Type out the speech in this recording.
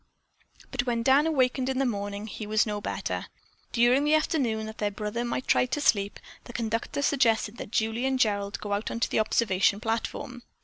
But when Dan awakened in the morning he was no better. During the afternoon, that their brother might try to sleep, the conductor suggested that Julie and Gerald go out on the observation platform.